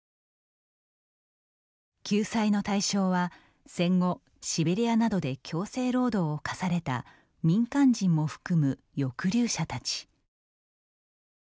救済の対象は戦後、シベリアなどで強制労働を課された民間人も含む抑留者たち。